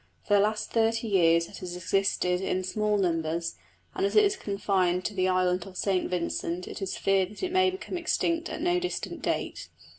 For the last thirty years it has existed in small numbers; and as it is confined to the island of St Vincent it is feared that it may become extinct at no distant date.